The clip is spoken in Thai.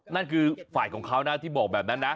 นั่นคือฝ่ายของเขานะที่บอกแบบนั้นนะ